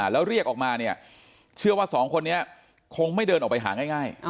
แล้วเรียกออกมาเนี่ยเชื่อว่าสองคนนี้คงไม่เดินออกไปหาง่าย